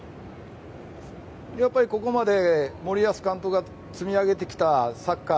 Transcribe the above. ここまで森保監督が積み上げてきたサッカー